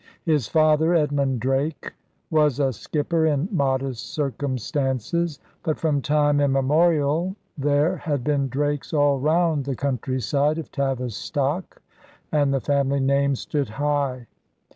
His father, Edmund Drake, was a skipper in modest circumstances. But from time immemorial there had been Drakes all round the countryside of Tavistock and the family name stood high.